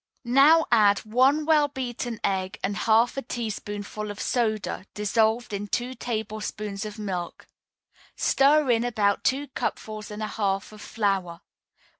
Now add one well beaten egg, and half a teaspoonful of soda dissolved in two tablespoonfuls of milk. Stir in about two cupfuls and a half of flour.